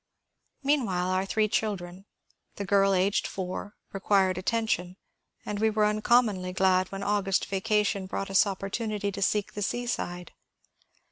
Meanwhile our three children, the girl aged four, required attention, and we were uncommonly glad when August vacation brought us op portunity to seek the seaside.